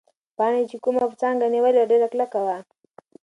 پاڼې چې کومه څانګه نیولې وه، ډېره کلکه وه.